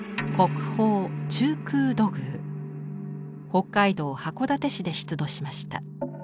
北海道函館市で出土しました。